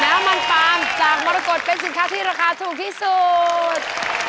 น้ำมันปาล์มจากมรกฏเป็นสินค้าที่ราคาถูกที่สุด